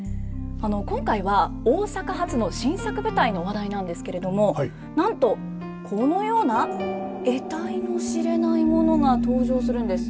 今回は大阪発の新作舞台の話題なんですけれどもなんとこのような得体の知れないものが登場するんです。